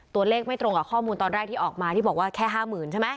ตัวเลขไม่ตรงกับข้อมูลตอนแรกที่ออกมาที่บอกว่าแค่๕๐๐๐ใช่ไหม